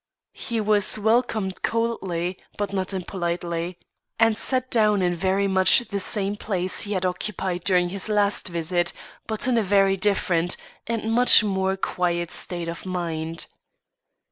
He was welcomed coldly, but not impolitely, and sat down in very much the same place he had occupied during his last visit, but in a very different, and much more quiet state of mind.